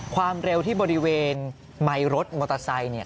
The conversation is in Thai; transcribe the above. ความเร็วที่บริเวณไมค์รถมอเตอร์ไซค์เนี่ย